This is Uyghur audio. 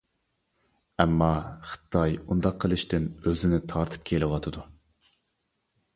ئەمما، خىتاي ئۇنداق قىلىشتىن ئۆزىنى تارتىپ كېلىۋاتىدۇ.